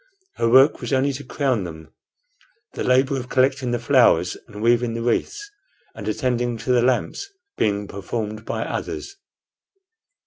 Her work was only to crown them, the labor of collecting the flowers and weaving the wreaths and attending to the lamps being performed by others.